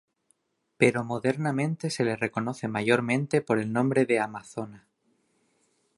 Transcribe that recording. Pero modernamente se le reconoce mayormente por el nombre de Amazona.